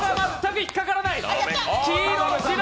引っかからない。